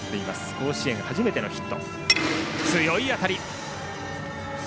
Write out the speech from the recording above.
甲子園初めてのヒット。